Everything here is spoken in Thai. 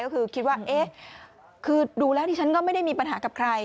ก็คือคิดว่าเอ๊ะคือดูแล้วดิฉันก็ไม่ได้มีปัญหากับใคร